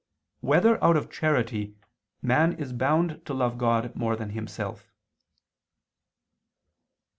3] Whether Out of Charity, Man Is Bound to Love God More Than Himself?